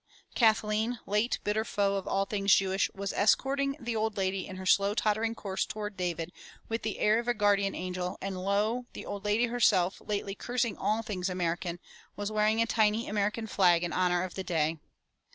Kathleen, late bitter foe of all things Jewish, was escort ing the old lady in her slow tottering course toward David with the air of a guardian angel, and lo! the old lady herself, lately cursing all things American, was wearing a tiny American flag in honor of the day.